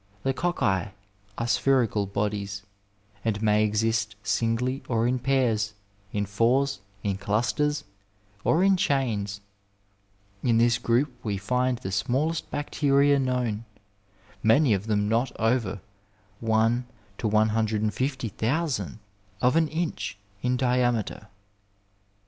The cocci are spherical bodies and may exist singly or in pairs, in fours, in dusters, or in chains. In this group we find the smallest bacteria known, many of them not over 1 150,000 of an inch in diameter.